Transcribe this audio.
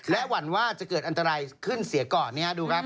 หวั่นว่าจะเกิดอันตรายขึ้นเสียก่อนดูครับ